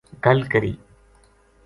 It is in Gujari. گل کری